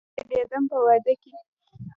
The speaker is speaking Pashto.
زه ګډېدم په وادۀ کې